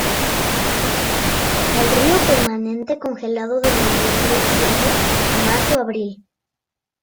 El río permanece congelado de noviembre-diciembre a marzo-abril.